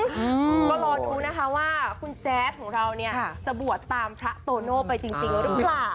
อืมก็รอดูนะคะว่าคุณแจ๊ดของเราเนี่ยจะบวชตามพระโตโน่ไปจริงหรือเปล่า